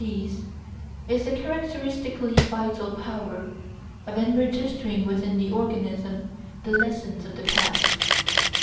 But behind both of these is the characteristically vital power of enregistering within the organism the lessons of the past.